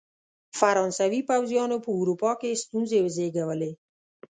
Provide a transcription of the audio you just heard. فرانسوي پوځیانو په اروپا کې ستونزې وزېږولې.